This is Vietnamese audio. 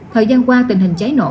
thời gian qua tình hình cháy nổ